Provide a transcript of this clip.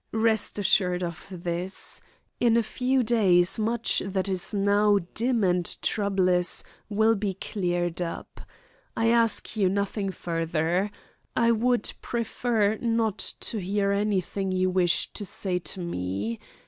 Rest assured of this, in a few days much that is now dim and troublous will be cleared up. I ask you nothing further. I would prefer not to hear anything you wish to say to me.